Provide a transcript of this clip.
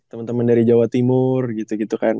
temen temen dari jawa timur gitu gitu kan